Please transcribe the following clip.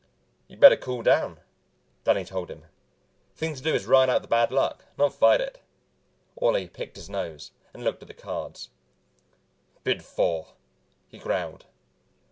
"You'd better cool down," Danny told him. "Thing to do is ride out the bad luck, not fight it." Orley picked his nose and looked at his cards, "Bid four," he growled.